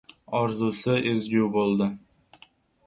Orzusi ezgu bo‘ldi.